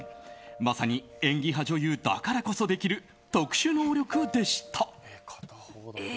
まさに演技派女優だからこそできる特殊能力でした。